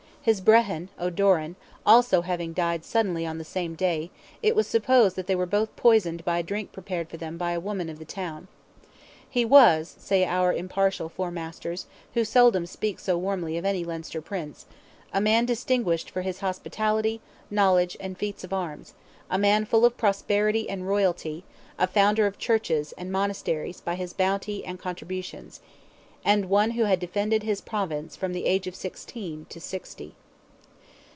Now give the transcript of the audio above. His Brehon, O'Doran, having also died suddenly on the same day, it was supposed they were both poisoned by a drink prepared for them by a woman of the town. "He was," say our impartial Four Masters, who seldom speak so warmly of any Leinster Prince, "a man distinguished for his hospitality, knowledge, and feats of arms; a man full of prosperity and royalty; a founder of churches and monasteries by his bounty and contributions," and one who had defended his Province from the age of sixteen to sixty.